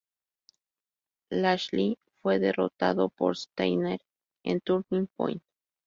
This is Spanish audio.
Lashley fue derrotado por Steiner en Turning Point.